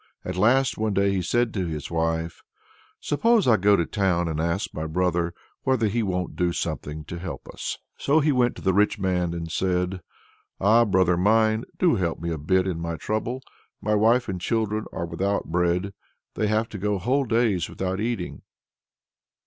At last one day he said to his wife: "Suppose I go to town, and ask my brother whether he won't do something to help us." So he went to the rich man and said: "Ah, brother mine! do help me a bit in my trouble. My wife and children are without bread. They have to go whole days without eating."